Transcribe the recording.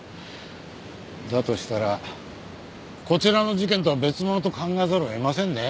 だとしたらこちらの事件とは別物と考えざるを得ませんね。